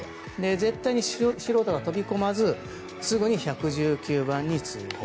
絶対に素人が飛び込まずすぐに１１９番に通報。